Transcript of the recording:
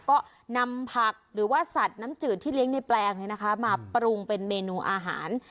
ก็นำผักหรือว่าสัตว์น้ำจืดที่เลี้ยงในแปลงมาปรุงเป็นเมนูอาหาร